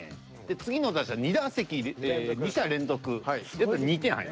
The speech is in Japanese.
次の打者２打席２者連続やったら２点入る。